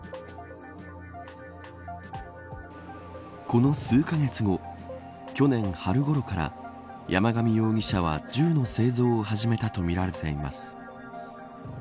この数カ月後去年春ごろから山上容疑者は銃の製造を始めたとみられています。